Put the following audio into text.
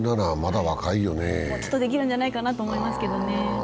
もうちょっとできるんじゃないかと思いますけどね。